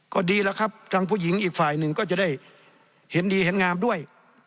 ก็ดีแล้วครับทางผู้หญิงอีกฝ่ายหนึ่งก็จะได้เห็นดีเห็นงามด้วย